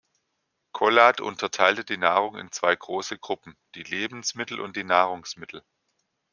Kollath unterteilte die Nahrung in zwei große Gruppen: die „Lebensmittel“ und die „Nahrungsmittel“.